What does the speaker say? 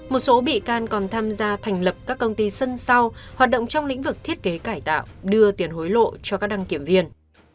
một số bị can còn tham gia thành lập các công ty sân sau hoạt động trong lĩnh vực thiết kế cải tạo đưa tiền hối lộ cho các đăng kiểm viên